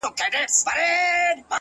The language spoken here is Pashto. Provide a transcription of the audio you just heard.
• خوب كي گلونو ســـره شپـــــې تېــروم؛